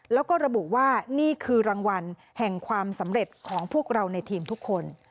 แล้วก็ระบุว่านี่คือรางวัลแห่งความสำเร็จของพวกเราในทีมทุกคน